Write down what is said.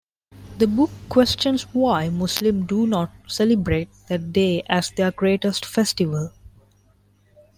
The book questions why Muslims do not celebrate that day as their greatest festival.